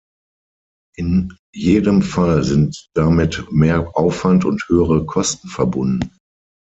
In jedem Fall sind damit mehr Aufwand und höhere Kosten verbunden.